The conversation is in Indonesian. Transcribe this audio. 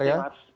terima kasih mas